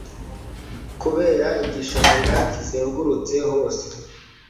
kubera igishanga kizengurutse hose